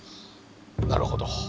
なるほど。